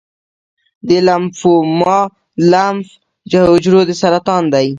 د لمفوما د لمف حجرو سرطان دی.